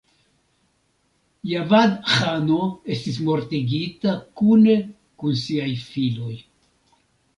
Javad-ĥano estis mortigita, kune kun siaj filoj.